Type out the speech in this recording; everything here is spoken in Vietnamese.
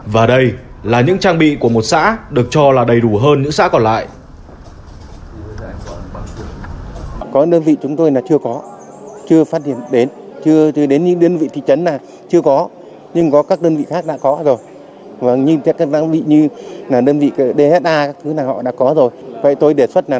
và đây là những trang bị của một xã được cho là đầy đủ hơn những xã còn lại